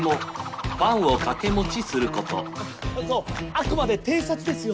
えっとあくまで偵察ですよ